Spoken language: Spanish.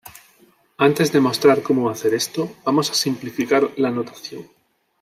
Antes de mostrar como hacer esto, vamos a simplificar la notación.